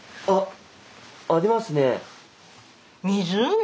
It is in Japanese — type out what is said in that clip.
あっ！